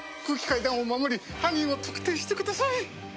空気階段を守り犯人を特定してください！